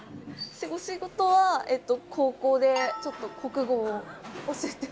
お仕事は高校でちょっと国語を教えて。